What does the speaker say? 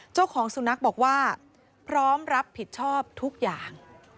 เจ้าของสุนัขบอกว่าพร้อมรับผิดชอบทุกอย่าง